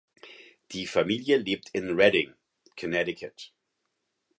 Die Familie lebt in Redding (Connecticut).